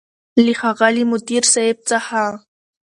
له ښاغلي مدير صيب څخه